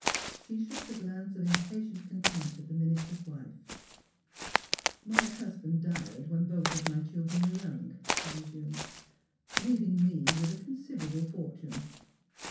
She shot a glance of impatient contempt at the minister's wife. ^' My husband died when both of my children were young," she resumed, '^ leaving me with a considerable fortune.